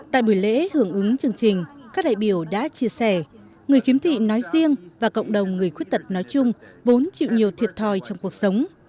tại buổi lễ hưởng ứng chương trình các đại biểu đã chia sẻ người khiếm thị nói riêng và cộng đồng người khuyết tật nói chung vốn chịu nhiều thiệt thòi trong cuộc sống